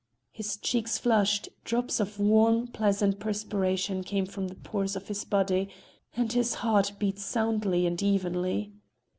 His cheeks flushed; drops of warm, pleasant perspiration came from the pores of his body, and his heart beat soundly and evenly.